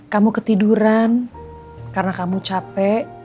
kamu ketiduran karena kamu capek